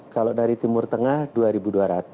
kalau dari timur tengah rp dua dua ratus